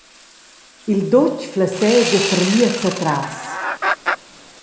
Il dutg flessegia permiez atras.